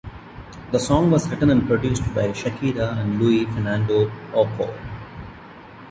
The song was written and produced by Shakira and Luis Fernando Ochoa.